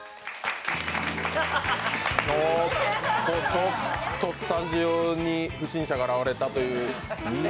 ちょっとスタジオに不審者が現れたという。